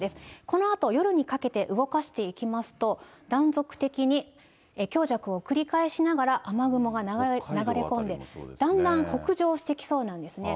このあと夜にかけて動かしていきますと、断続的に強弱を繰り返しながら、雨雲が流れ込んで、だんだん北上してきそうなんですね。